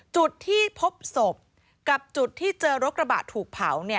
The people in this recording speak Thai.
จุดที่พบศพกับจุดที่เจอรถกระบะถูกเผา